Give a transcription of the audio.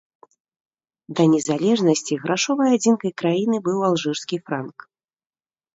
Да незалежнасці грашовай адзінкай краіны быў алжырскі франк.